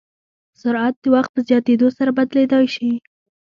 سرعت د وخت په زیاتېدو سره بدلېدای شي.